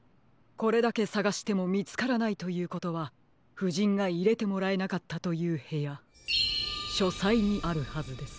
これだけさがしてもみつからないということはふじんがいれてもらえなかったというへやしょさいにあるはずです。